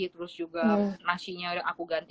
terus juga nasinya yang aku ganti